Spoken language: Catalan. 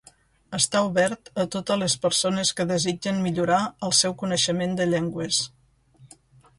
Està obert a totes les persones que desitgen millorar el seu coneixement de llengües.